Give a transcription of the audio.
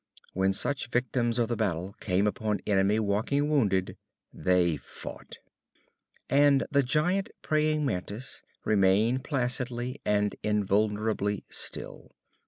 When such victims of the battle came upon enemy walking wounded, they fought. And the giant praying mantis remained placidly and invulnerably still.